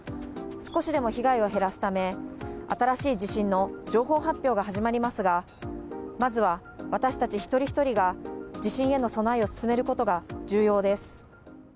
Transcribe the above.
少しでも被害を減らすため新しい地震の情報発表が始まりますが、まずは私たち一人一人が地震への備えを進めることが重要です。